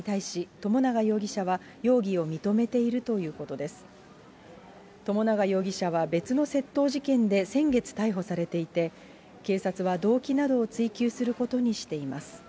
友永容疑者は、別の窃盗事件で先月逮捕されていて、警察は動機などを追及することにしています。